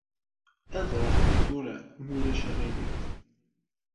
Ad ṛuḥeɣ tura ma ulac uɣilif.